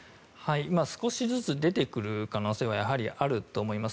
少しずつ出てくる可能性はあると思います。